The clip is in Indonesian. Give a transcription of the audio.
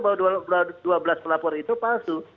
bahwa dua belas pelapor itu palsu